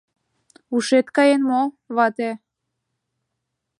— Ушет каен мо, вате!